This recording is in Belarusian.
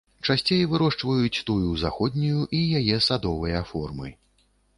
Часцей вырошчваюць тую заходнюю і яе садовыя формы.